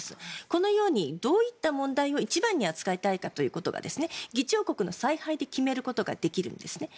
このように、どういった問題を一番に扱いたいかということを議長国の采配で決めることができるんですね。